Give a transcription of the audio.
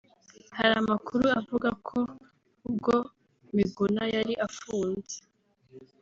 Hari amakuru avuga ko ubwo Miguna yari afunze